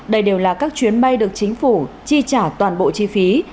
đây đều là các chuyến bay được chính phủ chi trả toàn bộ chi phí